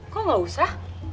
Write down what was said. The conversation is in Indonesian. kok gak usah